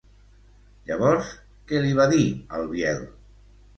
Llavors, què li va dir al Biel?